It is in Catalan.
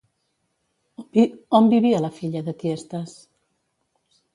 On vivia la filla de Tiestes?